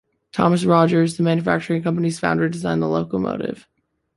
Thomas Rogers, the manufacturing company's founder, designed the locomotive.